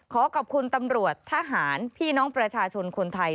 ขอขอบคุณตำรวจทหารพี่น้องประชาชนคนไทย